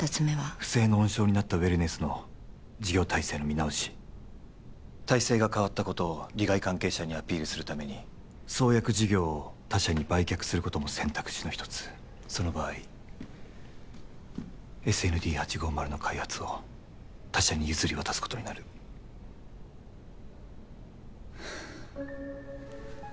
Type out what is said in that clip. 不正の温床になったウェルネスの事業体制の見直し体制が変わったことを利害関係者にアピールするために創薬事業を他社に売却することも選択肢の一つその場合ＳＮＤ８５０の開発を他社に譲り渡すことになるはあ